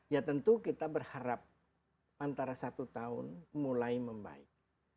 ya tentu kita berharap antara satu tahun mulai membaik